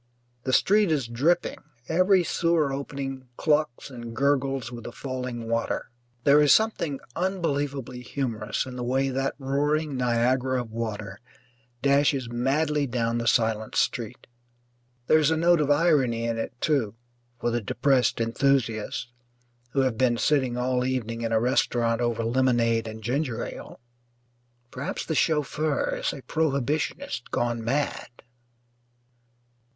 The street is dripping, every sewer opening clucks and gurgles with the falling water. There is something unbelievably humorous in the way that roaring Niagara of water dashes madly down the silent street. There is a note of irony in it, too, for the depressed enthusiasts who have been sitting all evening in a restaurant over lemonade and ginger ale. Perhaps the chauffeur is a prohibitionist gone mad.